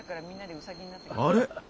あれ？